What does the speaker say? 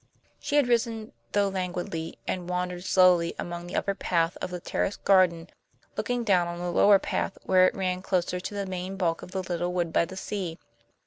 She had risen, though languidly, and wandered slowly along the upper path of the terraced garden looking down on the lower path where it ran closer to the main bulk of the little wood by the sea.